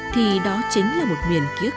thì đó chính là một nguyền ký ức